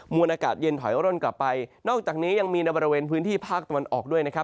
วนอากาศเย็นถอยร่นกลับไปนอกจากนี้ยังมีในบริเวณพื้นที่ภาคตะวันออกด้วยนะครับ